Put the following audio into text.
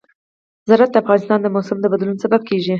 زراعت د افغانستان د موسم د بدلون سبب کېږي.